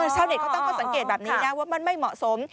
ชาวเน็ตเขาตั้งข้อสังเกตแบบนี้นะว่ามันไม่เหมาะสม